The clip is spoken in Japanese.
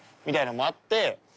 みたいなのもあって。